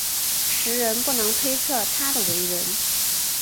时人不能推测他的为人。